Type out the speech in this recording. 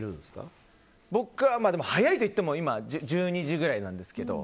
早いといっても今、１２時くらいなんですけど。